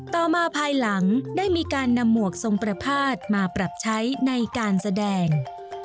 ต่อมาภายหลังได้มีการนำหมวกทรงประพาทมาปรับใช้ในการแสดง